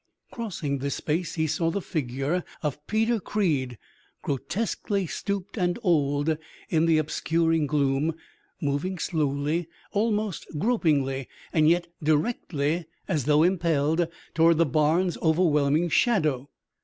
Crossing this space, he saw the figure of Peter Creed, grotesquely stooped and old in the obscuring gloom, moving slowly, almost gropingly, and yet directly, as though impelled, toward the barn's overwhelming shadow.